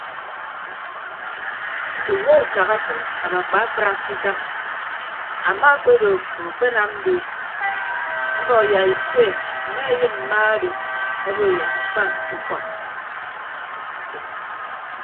Ume ukak asịn abakpa akpraak ke ikañ ama akpedo afo akpenam die mbọk yak ise mme ayịn mma odo obo yak mkpa nte ukọd.